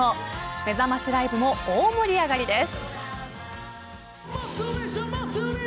めざましライブも大盛り上がりです。